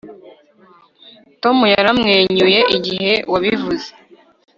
tom yaramwenyuye igihe wabivuze